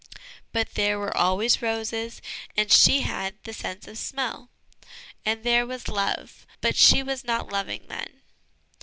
But there were always roses, and she had the sense of smell ; and there was love but she was not loving then.